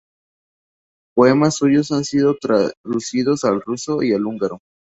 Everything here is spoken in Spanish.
Poemas suyos han sido traducidos al ruso y al húngaro.